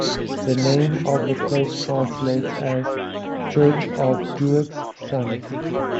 The name of the place translates as "church of Duagh's son".